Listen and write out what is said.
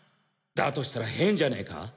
だとしたら変じゃねぇか？